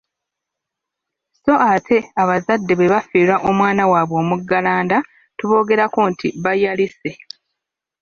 Sso ate abazadde bwe bafiirwa omwana waabwe omuggalanda tuboogerako nti bayalise.